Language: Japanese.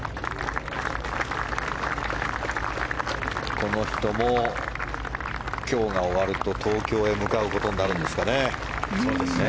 この人も今日が終わると東京へ向かうことになるんですかね。